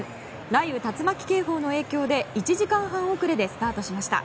雷雨・竜巻警報の影響で１時間半遅れでスタートしました。